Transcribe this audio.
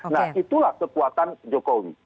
nah itulah kekuatan jokowi